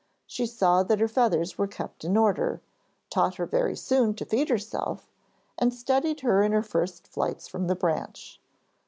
She saw that her feathers were kept in order, taught her very soon to feed herself, and steadied her in her first nights from the branch.